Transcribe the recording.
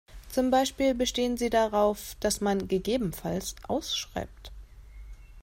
Zum Beispiel bestehen sie darauf, dass man gegebenenfalls ausschreibt.